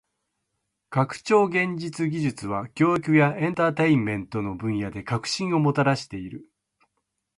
拡張現実技術は教育やエンターテインメントの分野で革新をもたらしている。